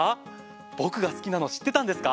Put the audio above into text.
僕が好きなの知ってたんですか？